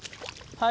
はい。